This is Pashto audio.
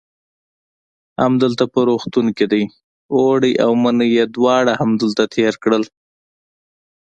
همدلته په روغتون کې دی، اوړی او منی یې دواړه همدلته تېر کړل.